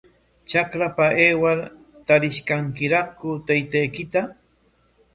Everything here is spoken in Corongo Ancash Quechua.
Trakrapa aywar, ¿tarish kankiraqku taytaykita?